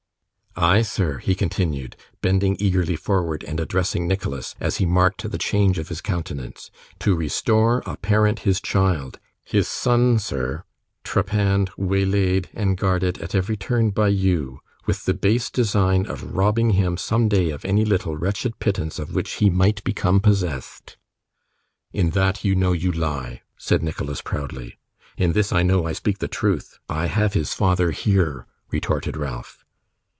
Ay, sir,' he continued, bending eagerly forward, and addressing Nicholas, as he marked the change of his countenance, 'to restore a parent his child; his son, sir; trepanned, waylaid, and guarded at every turn by you, with the base design of robbing him some day of any little wretched pittance of which he might become possessed.' 'In that, you know you lie,' said Nicholas, proudly. 'In this, I know I speak the truth. I have his father here,' retorted Ralph.